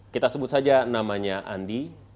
kita sebut saja namanya andi